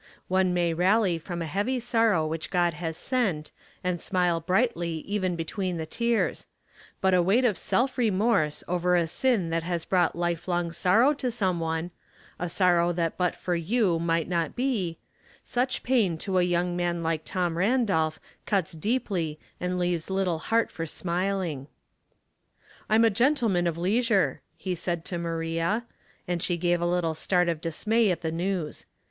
One may rally from a heavy sorrow which God has sent, and smile brightly even between the tears; but a weiQ:ht of self remorse over a sin that has brouiiht lifelongr sorrow to some one — a sorrow that but for you might not be — such pain to a }Oung man like Tom Randolph cuts deeply and leaves little heart for bmilinsr. ''Pm a gentleman of leisure," he said to Maria; and she gave a little start of dismay at the news.